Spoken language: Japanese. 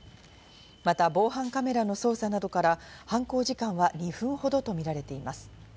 また防犯カメラの捜査などから犯行時間は２分ほどとみられています。